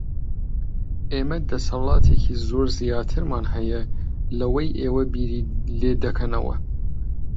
ئێمە دەسەڵاتێکی زۆر زیاترمان هەیە لەوەی ئێوە بیری لێ دەکەنەوە.